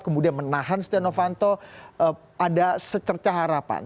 kemudian menahan setia novanto ada secerca harapan